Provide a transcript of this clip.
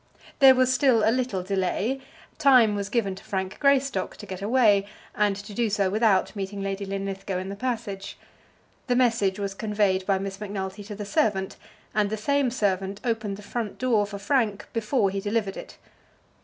There was still a little delay. Time was given to Frank Greystock to get away, and to do so without meeting Lady Linlithgow in the passage. The message was conveyed by Miss Macnulty to the servant, and the same servant opened the front door for Frank before he delivered it.